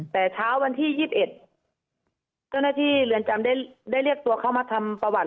แต่เช้าวันที่ยี่สิบเอ็ดก็นะที่เรือนจำได้ได้เรียกตัวเข้ามาทำประวัติและหลวง